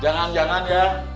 jangan jangan ya